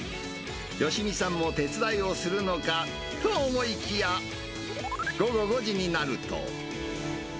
好美さんも手伝いをするのかと思いきや、午後５時になると。